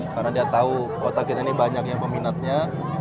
karena dia tahu kota kita ini banyak yang peminatnya